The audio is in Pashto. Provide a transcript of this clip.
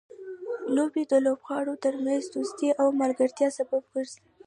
لوبې د لوبغاړو ترمنځ دوستۍ او ملګرتیا سبب ګرځي.